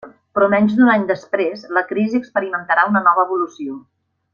Però menys d'un any després, la crisi experimentarà una nova evolució.